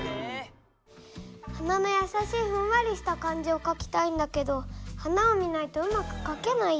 花のやさしいふんわりした感じをかきたいんだけど花を見ないとうまくかけないよ。